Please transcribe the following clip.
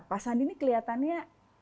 pak sandi ini kelihatannya